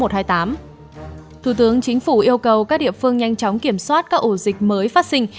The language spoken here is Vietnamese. thủ tướng chính phủ yêu cầu các địa phương nhanh chóng kiểm soát các ổ dịch mới phát sinh